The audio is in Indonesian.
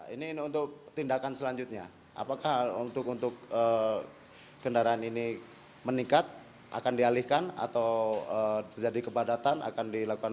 ini untuk tindakan selanjutnya apakah untuk kendaraan ini meningkat akan dialihkan atau jadi kepadatan akan dilakukan